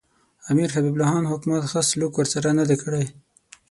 امیر حبیب الله خان حکومت ښه سلوک ورسره نه دی کړی.